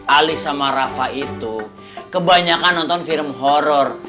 ali sama rafa itu kebanyakan nonton film horror